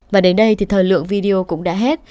và đến đây thì thời lượng video cũng đã hết